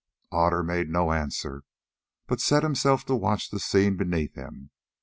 Otter made no answer, but set himself to watch the scene beneath him.